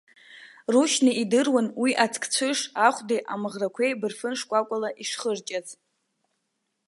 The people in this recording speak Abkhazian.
Рушьни идыруан уи аҵк-цәыш ахәдеи амаӷрақәеи бырфын шкәакәала ишхырҷаз.